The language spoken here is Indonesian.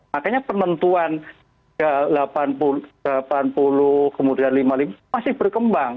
makanya penentuan delapan puluh kemudian lima puluh lima masih berkembang